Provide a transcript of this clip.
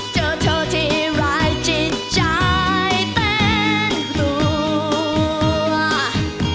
เจอเธอที่รายจิตใจแฟนครัว